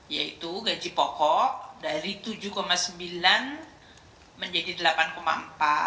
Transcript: yaitu gaji pokok dari rp tujuh sembilan menjadi rp delapan empat